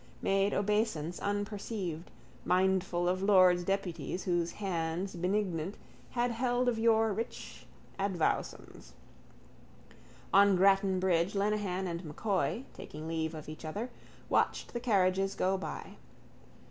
made obeisance unperceived, mindful of lords deputies whose hands benignant had held of yore rich advowsons. On Grattan bridge Lenehan and M'Coy, taking leave of each other, watched the carriages go by.